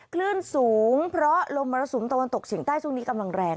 คลื่นสูงเพราะลมมรสุมตะวันตกเฉียงใต้ช่วงนี้กำลังแรง